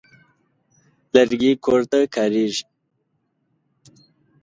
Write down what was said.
لرګي کور ته کارېږي.